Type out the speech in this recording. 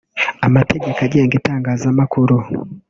amategeko agenga itangazamakuru